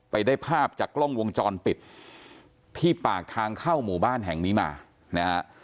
ได้ภาพจากกล้องวงจรปิดที่ปากทางเข้าหมู่บ้านแห่งนี้มานะฮะ